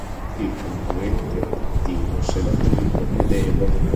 Il componente attivo sedativo è debole.